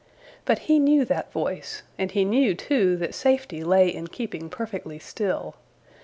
But he knew that voice and he knew, too, that safety lay in keeping perfectly still.